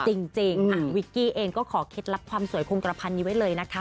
จริงวิกกี้เองก็ขอเคล็ดลับความสวยคงกระพันนี้ไว้เลยนะคะ